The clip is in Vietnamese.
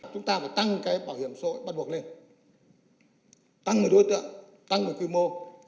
chúng ta phải tăng bảo hiểm xã hội bắt buộc lên tăng đối tượng tăng quy mô